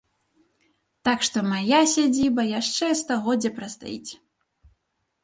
Так што мая сядзіба яшчэ стагоддзе прастаіць.